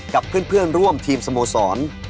กับเพื่อนร่วมทีมสโมสร